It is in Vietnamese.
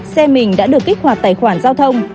xe mình đã được kích hoạt tài khoản giao thông